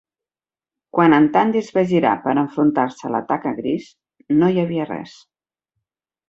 Quan en Tandy es va girar per enfrontar-se a la taca gris, no hi havia res.